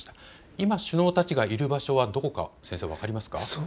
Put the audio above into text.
今、首脳たちがいる場所はどこか分かりますか。